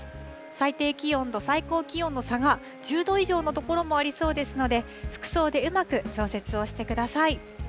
最低気温と最高気温の差が１０度以上の所もありそうですので、服装でうまく調節をしてください。